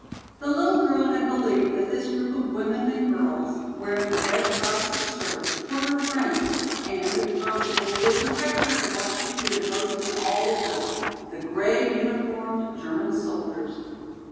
The little girl had believed that this group of women and girls, wearing the Red Cross of service, were her friends and if possible would protect her from what she feared most in all the world, the grey uniformed German soldiers.